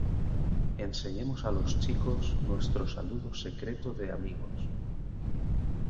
Enseñemos a los chicos nuestro saludo secreto de amigos.